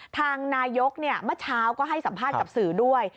ทางนายกเมื่อเช้าก็ให้สัมภาษณ์กับสื่อด้วย